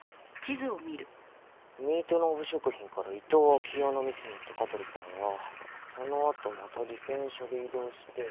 ミートノーブ食品から伊東暁代の店に行った香取さんはそのあとまた自転車で移動して。